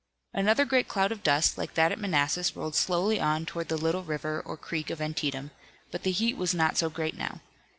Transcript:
Another great cloud of dust like that at Manassas rolled slowly on toward the little river or creek of Antietam, but the heat was not so great now.